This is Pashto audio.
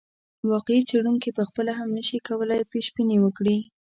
واقعي څېړونکی پخپله هم نه شي کولای پیشبیني وکړي.